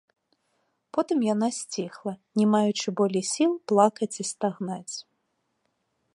Потым яна сціхла, не маючы болей сіл плакаць і стагнаць.